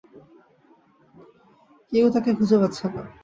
কেউ তাকে খুঁজে পাচ্ছে না।